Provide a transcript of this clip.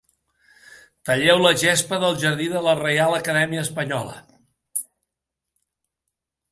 Talleu la gespa del jardí de la Reial Acadèmia Espanyola.